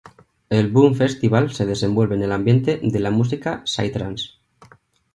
El Boom Festival se desenvuelve en el ambiente de la música psytrance.